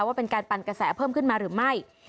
ว่าเป็นการปั่นกระแสเพิ่มขึ้นมาหรือไม่